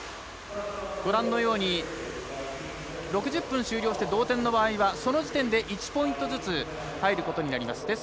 ご覧のように６０分終了して同点の場合は、その時点で１ポイントずつ入ることになります。